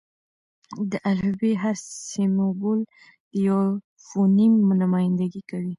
د الفبې: هر سېمبول د یوه فونیم نمایندګي کوي.